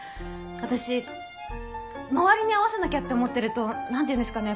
私周りに合わせなきゃって思ってると何て言うんですかね